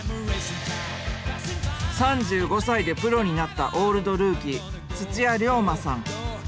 ３５歳でプロになったオールドルーキー土屋良真さん。